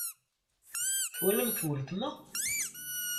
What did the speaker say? Twalamt weltma?